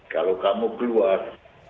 kalau kamu keluar